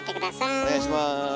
お願いします。